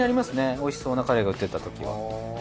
おいしそうなカレイが売ってたときは。